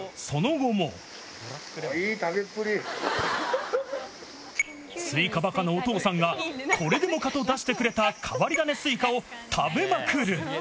おお、すいかばかのお父さんがこれでもかと出してくれた変わり種スイカを食べまくる。